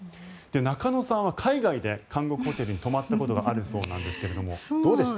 中野さんは海外で監獄ホテルに泊まったことがあるそうなんですがどうでした？